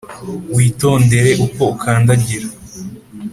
witondere uko ukandagira.